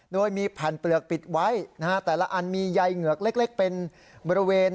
โดยมีแผ่นเปลือกปิดไว้นะฮะแต่ละอันมีใยเหงือกเล็กเป็นบริเวณ